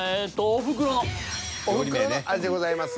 「おふくろの味」でございます。